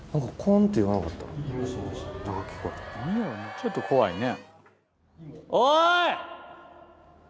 ちょっと怖いね。